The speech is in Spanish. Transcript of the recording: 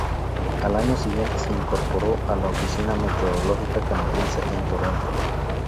Al año siguiente se incorporó a la Oficina Meteorológica Canadiense en Toronto.